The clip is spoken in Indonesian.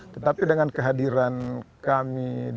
tetapi dengan kehadiran kami